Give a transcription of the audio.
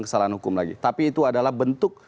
kesalahan hukum lagi tapi itu adalah bentuk